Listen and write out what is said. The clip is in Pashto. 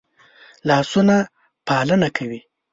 لاسونه پالنه کوي